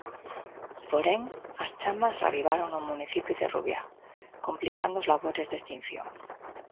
Porén, as chamas reavivaron no municipio de Rubiá, complicando os labores de extinción.